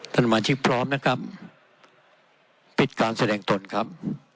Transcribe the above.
สมาชิกพร้อมนะครับปิดการแสดงตนครับ